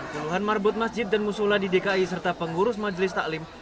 puluhan marbut masjid dan musula di dki serta pengurus majelis taklim